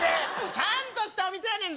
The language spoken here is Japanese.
ちゃんとしたお店やねんぞ！